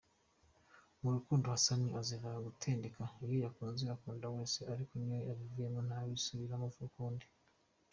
Mu rukundo Hassan azira gutendeka, iyo yakunze akunda wese ariko niyo abivuyemo ntabisubiramo ukundi.